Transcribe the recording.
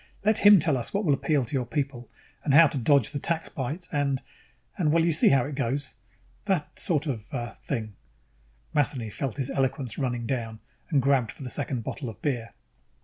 Let him tell us what will appeal to your people, and how to dodge the tax bite and and well, you see how it goes, that sort of, uh, thing." Matheny felt his eloquence running down and grabbed for the second bottle of beer.